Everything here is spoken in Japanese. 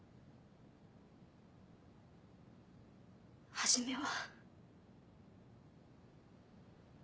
初めは。